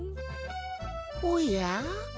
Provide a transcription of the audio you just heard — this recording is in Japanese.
おや？